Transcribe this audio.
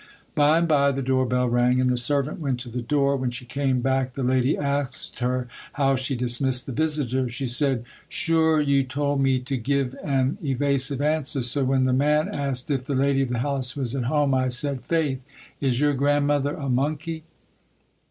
By and by the door bell rang and the servant went to the door. When she came back the lady asked her how she dismissed the visitor. She said, "Shure ye towld me to give an evasive answer, so when the man asked if the lady of the house was at home I said, 'Faith! is your grandmother a monkey!'"